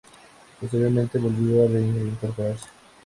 Posteriormente volvió a reincorporarse.